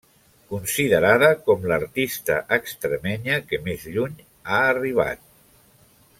Considerada com l'artista extremenya que més lluny ha arribat.